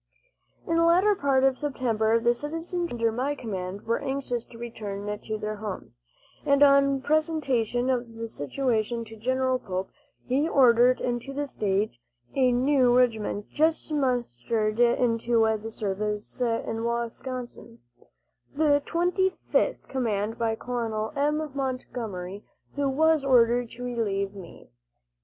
In the latter part of September the citizen troops under my command were anxious to return to their homes, and on presentation of the situation to General Pope, he ordered into the state a new regiment just mustered into the service in Wisconsin the Twenty fifth commanded by Col. M. Montgomery, who was ordered to relieve me.